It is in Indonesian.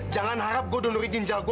jangan harap gue donori dinjal gue